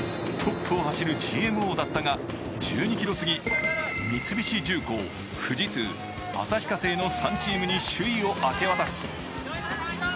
トップを走るＧＭＯだったが、１２ｋｍすぎ三菱重工、富士通、旭化成の３チームに首位を明け渡す。